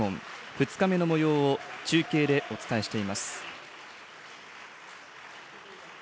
２日目のもようを中継でお伝えしています。